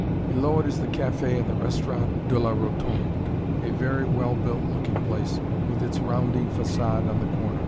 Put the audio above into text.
Below it is the café and restaurant de la Rotonde, a very well built looking place, with its rounding façade on the corner.